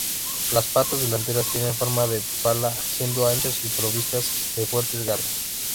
Las patas delanteras tienen forma de pala, siendo anchas y provistas de fuertes garras.